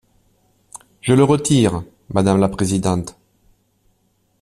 Je le retire, madame la présidente.